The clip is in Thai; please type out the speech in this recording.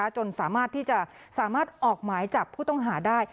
จนสามารถที่จะสามารถออกหมายจับผู้ต้องหาได้